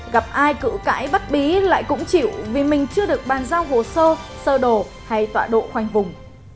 gặp ai cự cãi bắt bí lại cũng chịu vì mình chưa được bàn giao hồ sơ sơ đồ hay tọa độ khoanh vùng